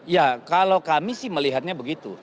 ya kalau kami sih melihatnya begitu